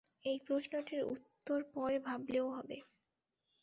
এই প্রশ্নটির উত্তর পরে ভাবলেও হবে।